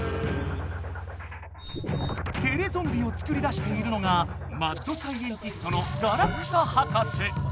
テレゾンビをつくり出しているのがマッドサイエンティストのガラクタ博士。